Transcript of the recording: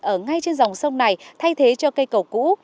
ở ngay trên dòng sông này thay thế cho cây cầu cũ